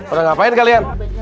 udah ngapain kalian